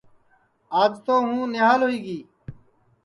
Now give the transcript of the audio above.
آج تو ہوں نھیال ہوئی گی